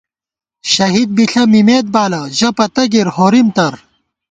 شہید بِݪہ مِمېت بالہ ، ژَہ پتہ گِر، ہورِم تر